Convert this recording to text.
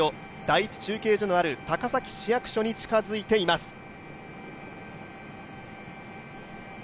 第１中継所のある高崎市役所に近づいています。